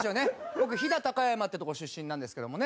僕飛騨高山ってとこ出身なんですけどもね。